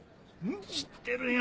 知ってるよ